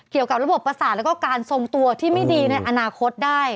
เกี่ยวกับระบบประสาทแล้วก็การทรงตัวที่ไม่ดีในอนาคตได้